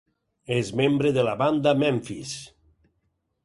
És membre de la banda Memphis.